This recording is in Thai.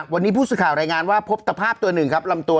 วันนี้พุธสุข่าวแหล่งงานว่าพบตภาพตัวห์๑เหล่าตัว